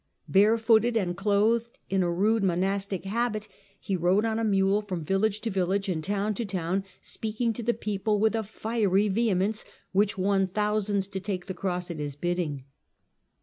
Barefooted and clothed in a rude monastic habit, he rode on a mule from village to village and town to town, speaking to the people with a fiery vehemence which won thousands to take the cross at his bidding.